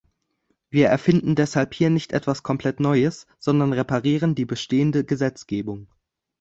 Wir erfinden deshalb hier nicht etwas komplett Neues, sondern reparieren die bestehende Gesetzgebung.